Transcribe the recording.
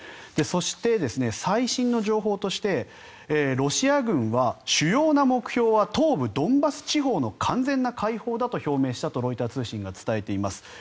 そして、最新の情報としてロシア軍は主要な目標は東部ドンバス地方の完全な解放だと表明したとロイター通信が伝えています。